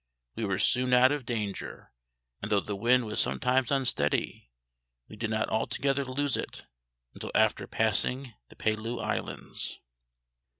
We were soon out of danger; and though the wind was sometimes unsteady, we did not altogether lose it until after passing the Pelew Islands.